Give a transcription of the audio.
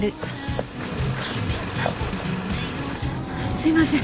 すいません。